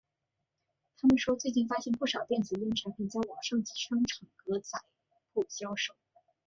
他说最近发现不少电子烟产品在网上及商场格仔铺销售。